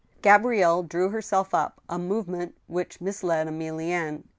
Gabrielle drew herself up, a movement which misled Emi lienne.